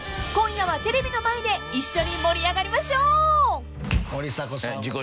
［今夜はテレビの前で一緒に盛り上がりましょう！］